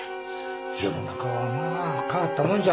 世の中はまあ変わったもんじゃわい。